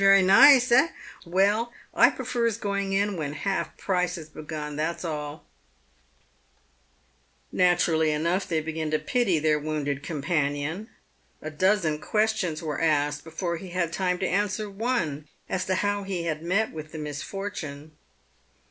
Very nice, eh ? Well, I prefers going in when half price is begun — that's all !" Naturally enough, they began to pity their wounded companion. A dozen questions were asked before he had time to answer one, as to how he had met with the misfortune.